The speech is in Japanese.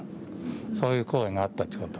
そういう行為があったということを。